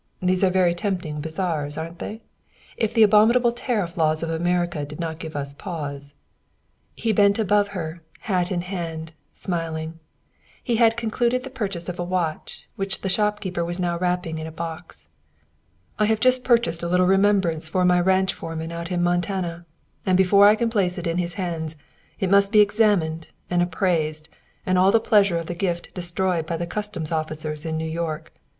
These are very tempting bazaars, aren't they? If the abominable tariff laws of America did not give us pause " He bent above her, hat in hand, smiling. He had concluded the purchase of a watch, which the shopkeeper was now wrapping in a box. "I have just purchased a little remembrance for my ranch foreman out in Montana, and before I can place it in his hands it must be examined and appraised and all the pleasure of the gift destroyed by the custom officers in New York.